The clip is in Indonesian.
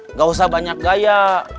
nggak usah banyak gaya